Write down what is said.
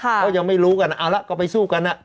เขายังไม่รู้กันเอาละก็ไปสู้กัน